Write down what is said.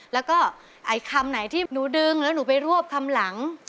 แล้วก็ไอ้คำไหนที่หนูดึงแล้วหนูไปรวบคำหลัง